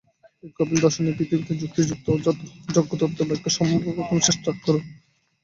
এই কপিল-দর্শনই পৃথিবীতে যুক্তি-বিচার দ্বারা জগত্তত্ত্ব-ব্যাখ্যার সর্বপ্রথম চেষ্টা।